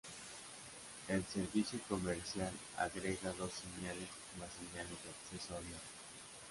El servicio comercial agrega dos señales a las señales de acceso abierto.